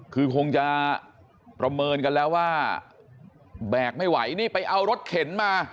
คือคงจะประเมินกันแล้วว่าแบกไม่ไหวนี่ไปเอารถเข็นมา